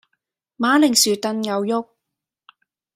馬鈴薯燉牛肉